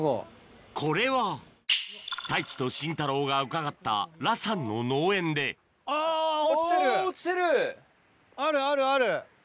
これは太一とシンタローが伺った羅さんの農園であるあるある。